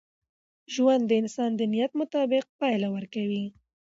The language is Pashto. ژوند د انسان د نیت مطابق پایله ورکوي.